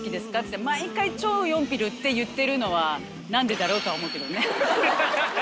って毎回チョー・ヨンピルって言ってるのは何でだろうとは思うけどね。